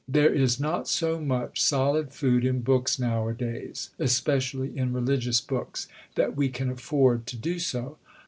There is not so much solid food in books nowadays, especially in religious books, that we can afford to do so.